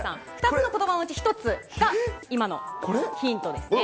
２つのことばのうち１つが今のヒントですね。